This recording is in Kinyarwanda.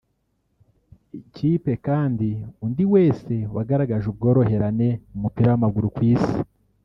ikipe kandi undi wese wagaragaje ubworoherane mu mupira w’amaguru ku isi